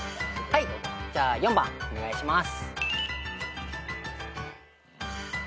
じゃあ４番お願いします。